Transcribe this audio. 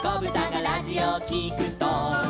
「ラジオをきくと」